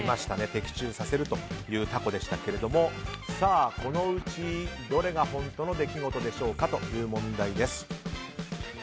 的中させるというタコでしたけどもこのうち、どれが本当の出来事でしょうかという問題です。